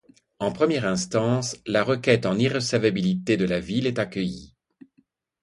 En première instance, la requête en irrecevabilité de la Ville est accueillie.